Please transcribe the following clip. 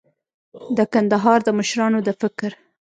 د کندهار د مشرانو د فکر